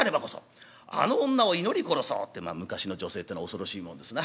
あの女を祈り殺そうって昔の女性ってのは恐ろしいもんですな。